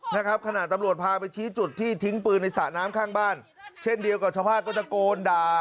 นะครับขณะตำรวจพาไปชี้จุดที่ทิ้งปืนในสระน้ำข้างบ้านเช่นเดียวกับชาวบ้านก็ตะโกนด่า